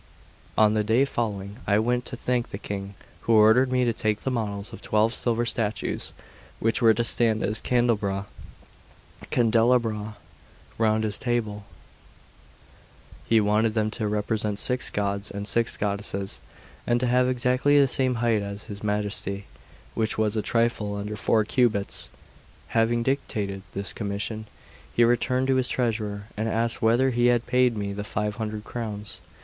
On the day following I went to thank the King, who ordered me to make the models of twelve silver statues, which were to stand as candelabra round his table. He wanted them to represent six gods and six goddesses, and to have exactly the same height as his Majesty, which was a trifle under four cubits. Having dictated this commission, he turned to his treasurer, and asked whether he had paid me the five hundred crowns.